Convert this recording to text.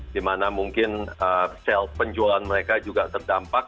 di mana mungkin self penjualan mereka juga terdampak